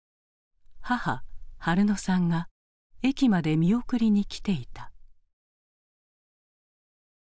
母はるのさんが駅まで見送りに来ていた。